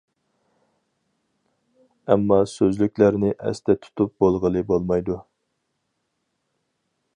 ئەمما سۆزلۈكلەرنى ئەستە تۇتۇپ بولغىلى بولمايدۇ.